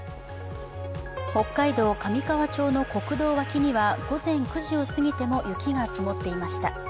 北海道上川町の国道脇には午前９時を過ぎても雪が積もっていました。